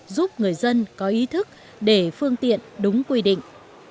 giúp người dân có ý thức để phương tiện đúng quy định